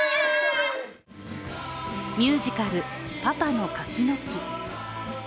ミュージカル「パパの柿の木」。